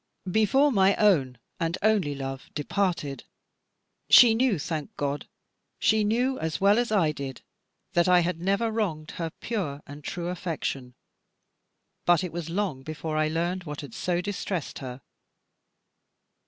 Before my own and only love departed, she knew, thank God, she knew as well as I did, that I had never wronged her pure and true affection. But it was long before I learned what had so distressed her.